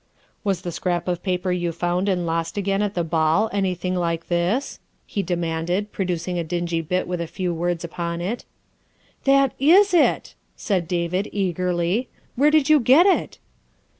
" Was the scrap of paper you found and lost again at the ball anything like this ?" he demanded, producing a dingy bit with a few words upon it. ' That is it!" said David eagerly. " Where did you get it?"